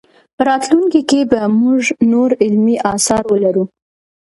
په راتلونکي کې به موږ نور علمي اثار ولرو.